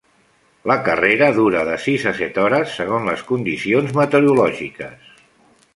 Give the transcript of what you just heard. La carrera dura de sis a set hores, segons les condicions meteorològiques.